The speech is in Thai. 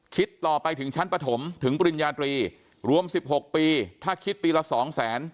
คิดต่อไปถึงชั้นปฐมถึงปริญญาตรีรวม๑๖ปีถ้าคิดปีละสองแสน